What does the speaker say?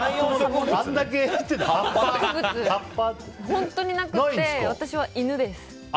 本当になくて、私は犬です。